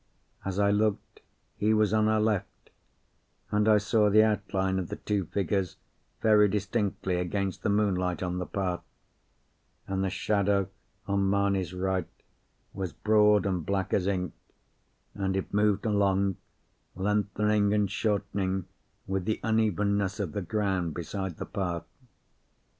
As I looked he was on her left and I saw the outline of the two figures very distinctly against the moonlight on the path; and the shadow on Mamie's right was broad and black as ink, and it moved along, lengthening and shortening with the unevenness of the ground beside the path.